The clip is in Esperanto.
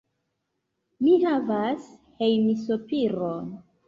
Mi havas hejmsopiron.